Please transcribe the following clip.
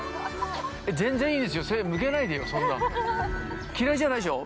全然いいですよ。